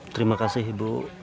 terima kasih ibu